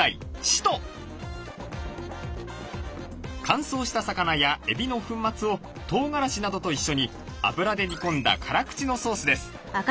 乾燥した魚やエビの粉末をとうがらしなどと一緒に油で煮込んだ辛口のソースです。